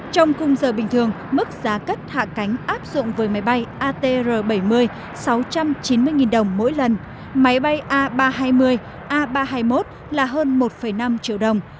trong khung giờ bình thường mức giá cất hạ cánh áp dụng với máy bay atr bảy mươi sáu trăm chín mươi đồng mỗi lần máy bay a ba trăm hai mươi a ba trăm hai mươi một là hơn một năm triệu đồng